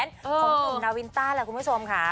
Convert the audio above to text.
ของหนุ่มนาวินต้าแหละคุณผู้ชมค่ะ